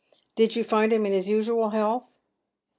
" Did you find him in his usual health